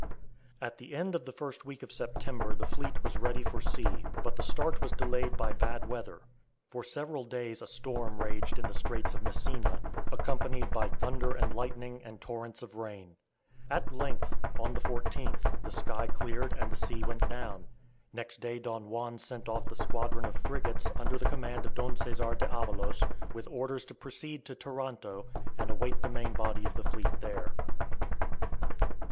At the end of the first week of September the fleet was ready for sea, but the start was delayed by bad weather. For several days a storm raged in the Straits of Messina, accompanied by thunder and lightning and torrents of rain. At length, on the 14th, the sky cleared and the sea went down. Next day Don Juan sent off the squadron of frigates under the command of Don Cesar d'Avalos, with orders to proceed to Taranto and await the main body of the fleet there.